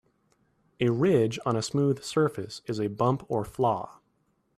A ridge on a smooth surface is a bump or flaw.